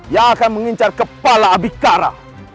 yang akan mengincar kepala abikara